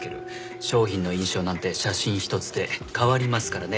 商品の印象なんて写真ひとつで変わりますからね。